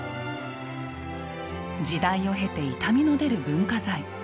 時代を経て傷みの出る文化財。